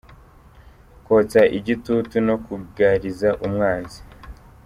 – Kotsa igitutu no kugariza umwanzi;